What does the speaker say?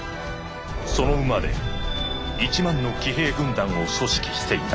「その馬で一万の騎兵軍団を組織していた」。